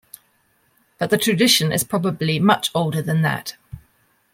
But the tradition is probably much older than that.